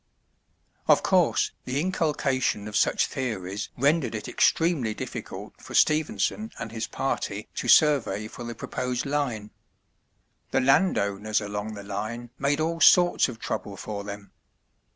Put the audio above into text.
Of course, the inculcation of such theories rendered it extremely difficult for Stephenson and his party to survey for the proposed line. The land owners along the line made all sorts of trouble for them.